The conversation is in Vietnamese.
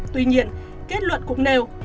tuy nhiên kết luận cũng nêu